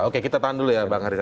oke kita tahan dulu ya bang haris